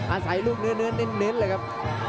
อาศัยลูกเนื้อเน้นเลยครับ